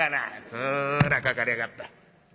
「そらかかりやがった。